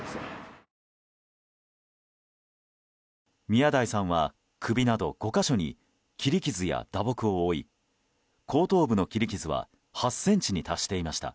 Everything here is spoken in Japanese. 宮台さんは首など５か所に切り傷や打撲を負い後頭部の切り傷は８ｃｍに達していました。